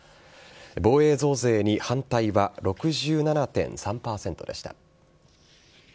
防衛増税に反対は６７．３％でした。